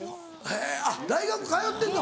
へぇあっ大学通ってんの。